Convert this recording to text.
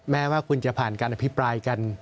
แม้ว่าคุณจะผ่านการอภิปรายกัน